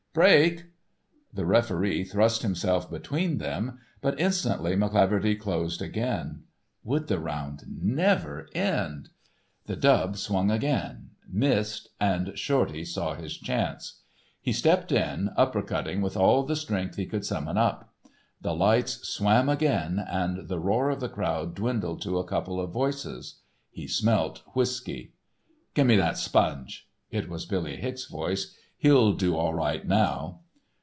"Break!" The referee thrust himself between them, but instantly McCleaverty closed again. Would the round never end? The dub swung again, missed, and Shorty saw his chance; he stepped in, upper cutting with all the strength he could summon up. The lights swam again, and the roar of the crowd dwindled to a couple of voices. He smelt whisky. "Gimme that sponge." It was Billy Hicks voice. "He'll do all right now."